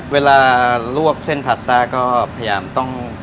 เวลาลวกเส้นพาสต้าก็พยายามต้อง